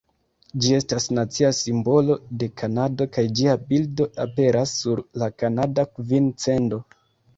Ĝi estas nacia simbolo de Kanado kaj ĝia bildo aperas sur la kanada kvin-cendo.